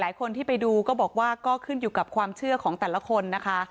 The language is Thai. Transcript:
หลายคนที่ไปดูก็บอกว่าก็ขึ้นอยู่กับความเชื่อของแต่ละคนนะคะ